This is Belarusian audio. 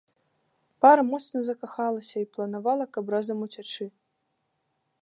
Пара моцна закахалася і планавала, каб разам уцячы.